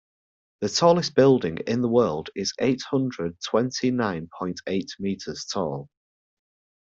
The tallest building in the world is eight hundred twenty nine point eight meters tall.